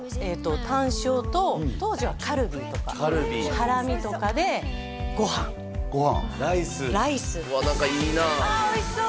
タン塩と当時はカルビとかカルビハラミとかでご飯ライスライスうわ何かいいなああおいしそう！